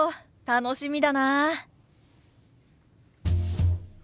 楽しみだなあ。